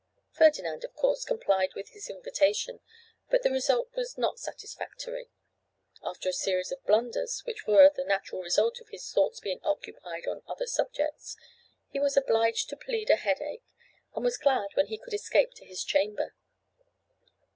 Ferdinand of course complied with his invitation, but the result was not satisfactory. After a series of blunders, which were the natural result of his thoughts being occupied on other subjects, he was obliged to plead a headache, and was glad when he could escape to his chamber.